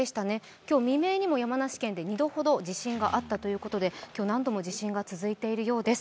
今日未明にも山梨県で２度ほど地震があったということで今日、何度も地震が続いているようです。